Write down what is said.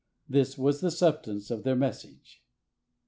This was the substance of their message.